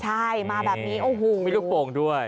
ใช่มาแบบนี้โอ้โหมีลูกโป่งด้วย